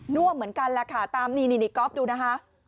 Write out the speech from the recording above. ว่มเหมือนกันแหละค่ะตามนี่ก๊อฟดูนะคะ